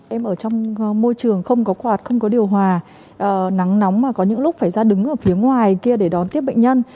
em ở trong môi trường không có quạt không có điều hòa nắng nóng mà có những lúc phải ra đứng ở phía ngoài kia để đón tiếp bệnh nhân